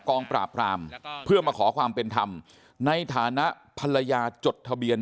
กองปราบรามเพื่อมาขอความเป็นธรรมในฐานะภรรยาจดทะเบียน